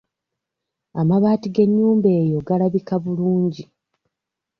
Amabaati g'ennyumba eyo galabika bulungi.